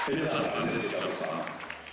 ini tak terjadi tidak bersalah